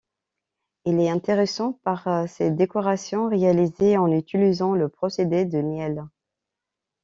Il est intéressant par ses décorations réalisées en utilisant le procédé de nielle.